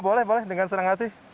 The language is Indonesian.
boleh boleh dengan senang hati